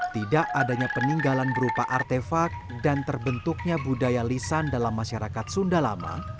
tidak adanya peninggalan berupa artefak dan terbentuknya budaya lisan dalam masyarakat sunda lama